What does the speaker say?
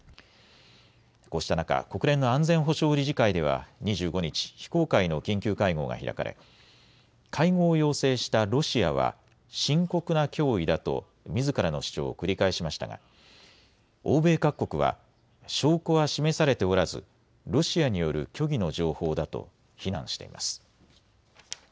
こうした中、国連の安全保障理事会では２５日、非公開の緊急会合が開かれ会合を要請したロシアは深刻な脅威だとみずからの主張を繰り返しましたが欧米各国は証拠は示されておらずロシアによる虚偽の情報だと非難しています。